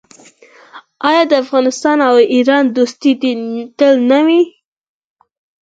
آیا د افغانستان او ایران دوستي دې تل نه وي؟